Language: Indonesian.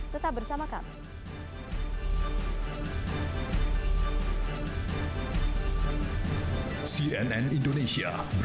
tetap bersama kami